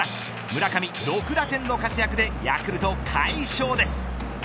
村上６打点の活躍でヤクルト快勝です。